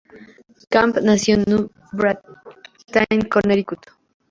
Camp nació en New Britain, Connecticut.